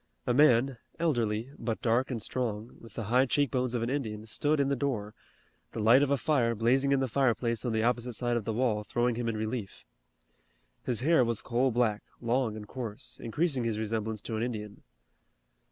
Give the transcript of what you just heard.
A man, elderly, but dark and strong, with the high cheek bones of an Indian stood in the door, the light of a fire blazing in the fireplace on the opposite side of the wall throwing him in relief. His hair was coal black, long and coarse, increasing his resemblance to an Indian.